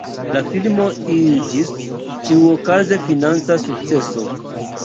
La filmo iĝis ĉiuokaze financa sukceso.